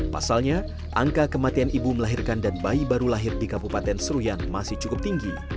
pasalnya angka kematian ibu melahirkan dan bayi baru lahir di kabupaten seruyan masih cukup tinggi